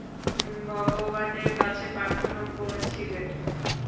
ভগবানের কাছে প্রার্থনা করছিলেন?